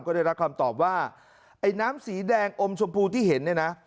ก็ได้รับความตอบว่าน้ำสีแดงอมชมพูที่เห็น